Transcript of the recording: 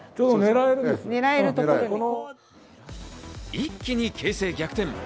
一気に形勢逆転。